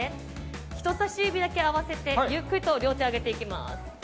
人さし指だけ合わせてゆっくりと両手を上げていきます。